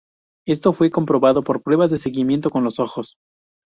Esto fue comprobado por pruebas de seguimiento con los ojos.